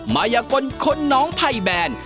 มายกลคนน้องไพแบน